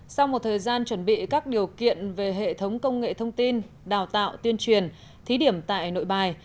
sau một thời gian chuẩn bị các điều kiện về hệ thống công nghệ thông tin đào tạo tuyên truyền thí điểm tại nội bài